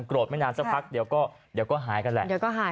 โกรธไม่นานซะพักเดี๋ยวก็หายกันแหละ